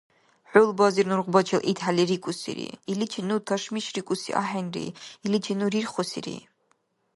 ХӀулбазир нургъбачил итхӀели рикӀусири: «Иличи ну ташмишрикӀуси ахӀенри, иличи ну рирхусири».